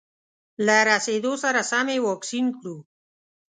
له رسېدو سره سم یې واکسین کړو.